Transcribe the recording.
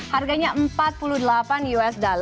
harganya empat puluh delapan usd